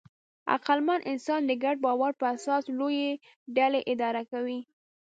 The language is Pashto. عقلمن انسان د ګډ باور په اساس لویې ډلې اداره کوي.